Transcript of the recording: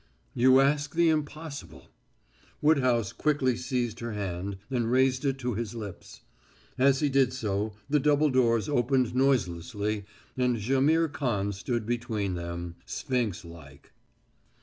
"You ask the impossible!" Woodhouse quickly seized her hand and raised it to his lips. As he did so, the double doors opened noiselessly and Jaimihr Khan stood between them, sphinx like.